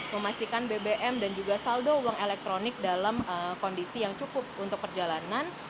memastikan bbm dan juga saldo uang elektronik dalam kondisi yang cukup untuk perjalanan